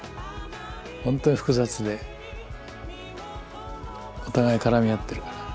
本当に複雑でお互い絡み合ってるから。